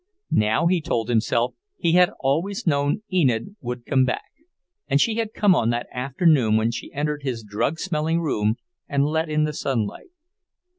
Now he told himself he had always known Enid would come back; and she had come on that afternoon when she entered his drug smelling room and let in the sunlight.